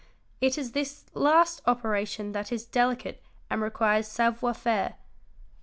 It is this last operation that is delicate and requires savoir faire.